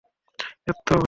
তো, এবার?